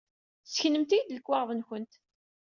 Ssknemt-iyi-d lekwaɣeḍ-nkent!